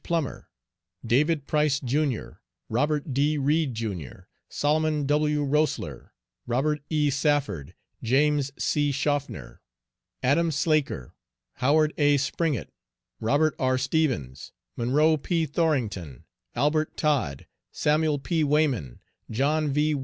Plummer, David Price, Jr., Robert D. Read, Jr., Solomon W. Roessler, Robert E. Safford, James C. Shofner, Adam Slaker, Howard A. Springett, Robert R. Stevens, Monroe P. Thorington, Albert Todd, Samuel P. Wayman, John V.